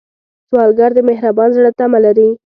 سوالګر د مهربان زړه تمه لري